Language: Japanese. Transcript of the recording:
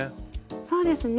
そうですね。